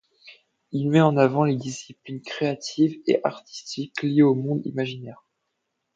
Il met en avant les disciplines créatives et artistiques liées aux mondes imaginaires.